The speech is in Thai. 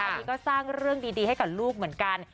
อันนี้ก็สร้างเรื่องดีให้กับลูกเหมือนกัน